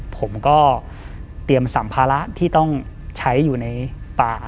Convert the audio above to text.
ผมก็เตรียมสัมภาระที่ต้องใช้อยู่ในป่า